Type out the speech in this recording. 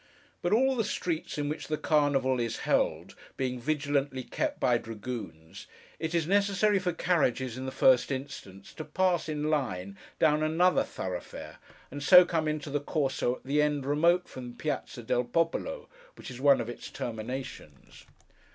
But all the streets in which the Carnival is held, being vigilantly kept by dragoons, it is necessary for carriages, in the first instance, to pass, in line, down another thoroughfare, and so come into the Corso at the end remote from the Piázza del Popolo; which is one of its terminations.